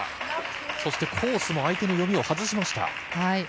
そしてコースも完全に相手の読みを外しました。